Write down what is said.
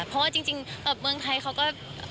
เพราะว่าจริงเมืองไทยเขาก็